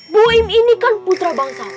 buim ini kan putra bangsa